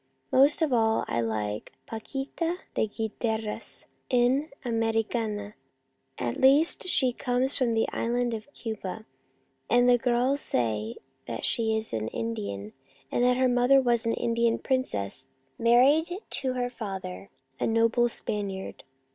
Most of all I like Paquita de Guiteras, an Americana, at least she comes from the Island of Cuba, and the girls say that she is an Indian, and that her mother was an Indian princess married to her father, a noble Spaniard.